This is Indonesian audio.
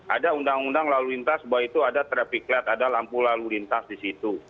ada undang undang lalu lintas bahwa itu ada traffic light ada lampu lalu lintas di situ